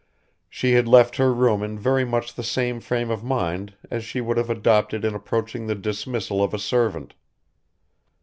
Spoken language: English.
She had left her room in very much the same frame of mind as she would have adopted in approaching the dismissal of a servant.